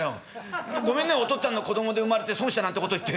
ごめんねお父っつぁんの子供で生まれて損したなんてこと言って。